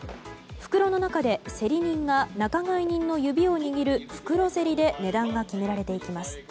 袋の中で、競り人が仲買人の指を握る袋競りで値段が決められていきます。